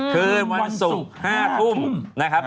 คืนวันศุกร์๕ทุ่มนะครับ